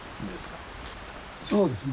そうですね。